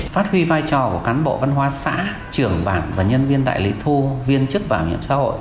phát huy vai trò của cán bộ văn hóa xã trưởng bản và nhân viên đại lý thu viên chức bảo hiểm xã hội